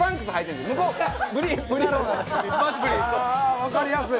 わかりやすい！